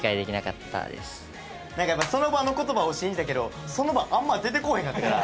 なんかやっぱりその場の言葉を信じたけどその場あんま出てこおへんかったから。